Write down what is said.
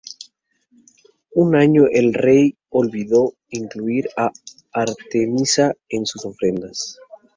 Un año el rey olvidó incluir a Artemisa en sus ofrendas.